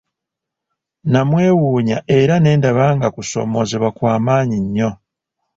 Namwewuunya era ne ndaba nga kusoomoozebwa kwa maanyi nnyo.